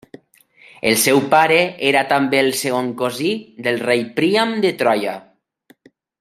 El seu pare era també el segon cosí del rei Príam de Troia.